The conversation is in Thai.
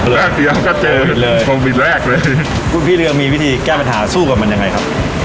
แรกเดียวก็เจอเลยโควิดแรกเลยพี่เรียมมีวิธีแก้ปัญหาสู้กับมันยังไงครับ